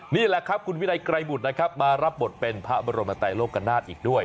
นี่แหละครับคุณวินัยไกรบุตรนะครับมารับบทเป็นพระบรมไตโลกนาฏอีกด้วย